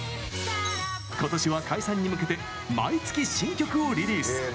今年は解散に向けて毎月、新曲をリリース！